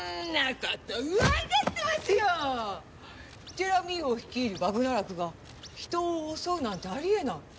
ジェラミー王率いるバグナラクが人を襲うなんてあり得ない。